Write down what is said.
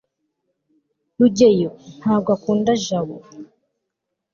rugeyo ntabwo akunda jabo cy